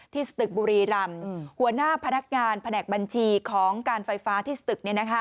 สตึกบุรีรำหัวหน้าพนักงานแผนกบัญชีของการไฟฟ้าที่สตึก